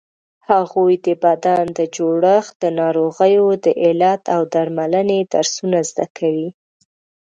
هغوی د بدن د جوړښت، د ناروغیو د علت او درملنې درسونه زده کوي.